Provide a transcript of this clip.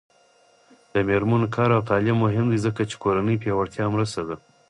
د میرمنو کار او تعلیم مهم دی ځکه چې کورنۍ پیاوړتیا مرسته ده.